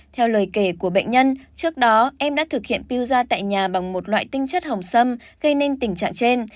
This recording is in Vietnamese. theo lời kể của bệnh nhân trước đó em đã thực hiện piuza tại nhà bằng một loại tinh chất hồng sâm gây nên tình trạng trên